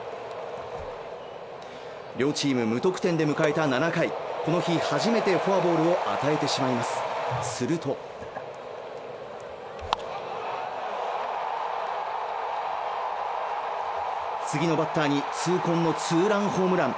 両チーム無得点で迎えた７回、この日初めてフォアボールを与えてしまいます、すると次のバッターに痛恨のツーランホームラン。